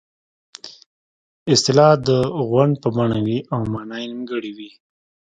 اصطلاح د غونډ په بڼه وي او مانا یې نیمګړې وي